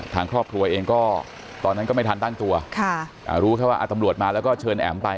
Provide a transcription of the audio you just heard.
ทางครอบครัวเองก็ตอนนั้นก็ไม่ทันตั้งตัวรู้แค่ว่าตำรวจมาแล้วก็เชิญแอ๋มไป